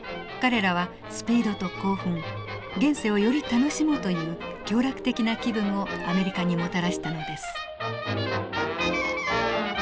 彼らはスピードと興奮現世をより楽しもうという享楽的な気分をアメリカにもたらしたのです。